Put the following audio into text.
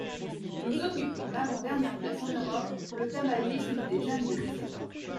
Nous occupons l’avant-dernière place en Europe pour le tabagisme des jeunes de dix-sept ans.